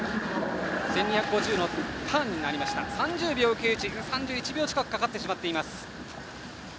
１２５０のターン３０秒９１、３１秒近くかかってしまっています。